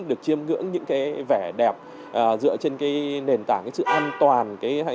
được chiêm ngưỡng những vẻ đẹp dựa trên nền tảng sự an toàn